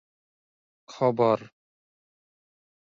ᱠᱷᱚᱵᱚᱨ